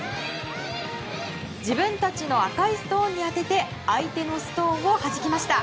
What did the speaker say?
自分たちの赤いストーンに当てて相手のストーンをはじきました。